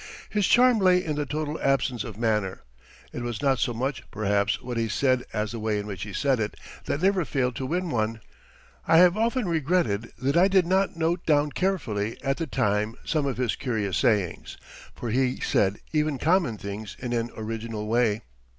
His charm lay in the total absence of manner. It was not so much, perhaps, what he said as the way in which he said it that never failed to win one. I have often regretted that I did not note down carefully at the time some of his curious sayings, for he said even common things in an original way.